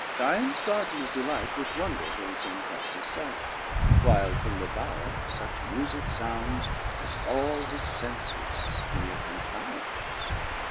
Diones Garden of Delight With wonder holds Anchifes Jight ; While from the bower fuch mujique founds j As all his fenfes neere confounds.